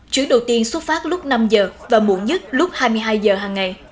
chuyến đầu tiên xuất phát lúc năm giờ và muộn nhất lúc hai mươi hai giờ hàng ngày